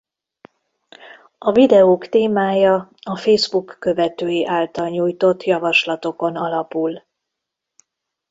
A videók témája a Facebook követői által nyújtott javaslatokon alapul.